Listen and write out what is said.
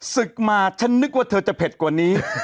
ศึกมาฉันนึกว่าเธอจะเผ็ดกว่านี้